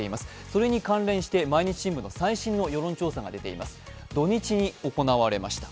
それに関連して毎日新聞の最新の世論調査が行われました。